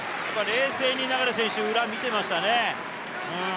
冷静に流選手は裏を見ていましたね。